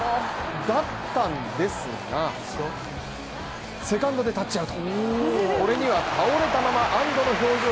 だったんですが、セカンドでタッチアウト。